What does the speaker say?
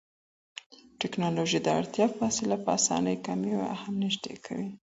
ټکنالوژي د اړيکو فاصله په اسانۍ کموي او هم نږدې کوي.